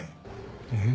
えっ？